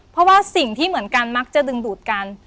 เพราะว่าสิ่งที่เหมือนกันมักจะดึงดูดกัน